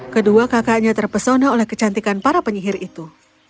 kedua kakaknya terpesona oleh kecantikan para penyihir itu